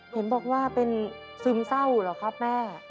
เห็นบอกว่าเป็นซึมเศร้าเหรอครับแม่